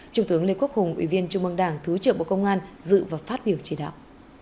trung tướng lê quốc hùng ủy viên trung mương đảng thứ trưởng bộ công an dự và phát biểu chỉ đạo